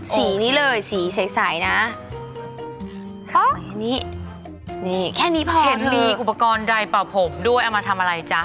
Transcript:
สีนี้เลยสีใสนะนี่แค่นี้พอเถอะเห็นมีอุปกรณ์ดายเปล่าผมด้วยเอามาทำอะไรจ้ะ